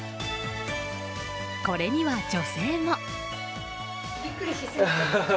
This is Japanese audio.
これには女性も。